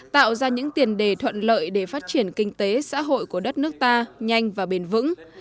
tạo ra những tiền đề thuận lợi để phát triển kinh tế xã hội của đất nước ta nhanh và bền vững